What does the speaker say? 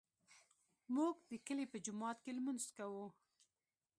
موږ د کلي په جومات کې لمونځ کوو